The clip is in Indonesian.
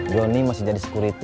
jonny masih jadi security